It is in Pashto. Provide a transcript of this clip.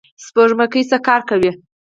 سپوږمکۍ څه کار کوي؟